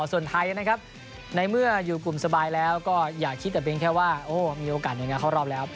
ส่วนไทยนะครับในเมื่ออยู่กลุ่มสบายแล้วก็อย่าคิดแต่เพียงแค่ว่ามีโอกาสหน่วยงานเข้ารอบแล้ว